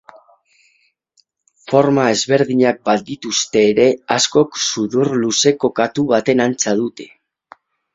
Forma ezberdinak badituzte ere askok sudur-luzeko katu baten antza dute.